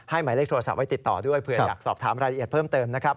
หมายเลขโทรศัพท์ไว้ติดต่อด้วยเผื่ออยากสอบถามรายละเอียดเพิ่มเติมนะครับ